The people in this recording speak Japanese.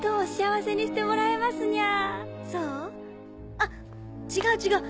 あ違う違う！